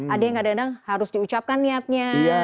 ada yang harus diucapkan niatnya